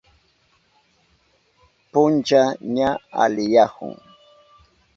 Puncha ña aliyahun.